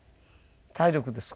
体力ですか？